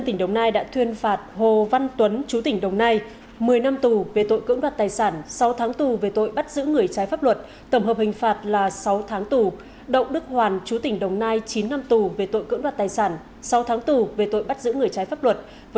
tổng hợp hình phạt là chín năm sau tháng tù